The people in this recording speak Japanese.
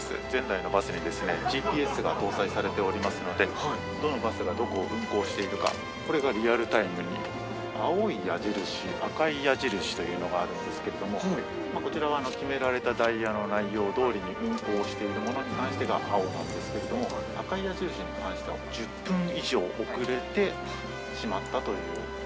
全台のバスにＧＰＳが搭載されておりますので、どのバスがどこを運行しているか、これがリアルタイムに、青い矢印、赤い矢印というのがあるんですけれども、こちらは決められたダイヤの内容どおりに運行しているものに関してが青なんですけれども、赤い矢印に関しては、１０分以上遅れてしまったという。